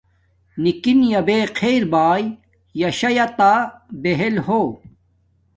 نِکِݵݳ بݺ خݵر بݳئݵ. ݵݳ شݳ ݵݳ تݳ بہݵل ہݸ.